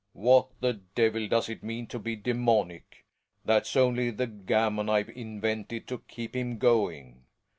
What the devil does it mean to be daBmonic ? That's only the gammon I invented to keep him going.